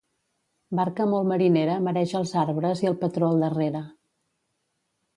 Barca molt marinera mareja els arbres i el patró al darrere.